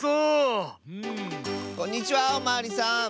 こんにちはおまわりさん。